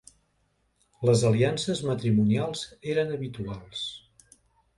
Les aliances matrimonials eren habituals.